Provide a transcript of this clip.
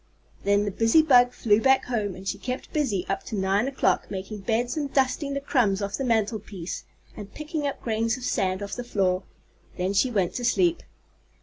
Then the busy bug flew back home and she kept busy up to nine o'clock, making beds and dusting the crumbs off the mantelpiece and picking up grains of sand off the floor. Then she went to sleep.